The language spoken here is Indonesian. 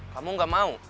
kamu gak mau